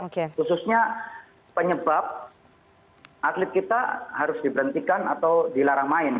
khususnya penyebab atlet kita harus diberhentikan atau dilarang main